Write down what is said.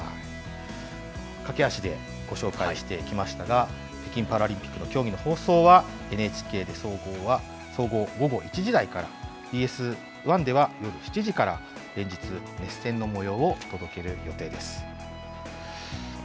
駆け足でご紹介していきましたが、北京パラリンピックの競技の放送は、ＮＨＫで総合は午後１時台から、ＢＳ１では夜７時から連日、熱戦のもようを届ける予定です。